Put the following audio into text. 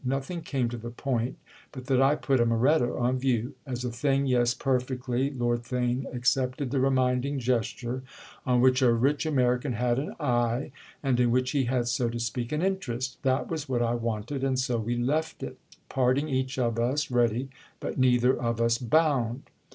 Nothing came to the point but that I put a Moretto on view; as a thing, yes, perfectly"—Lord Theign accepted the reminding gesture—"on which a rich American had an eye and in which he had, so to speak, an interest. That was what I wanted, and so we left it—parting each of us ready but neither of us bound."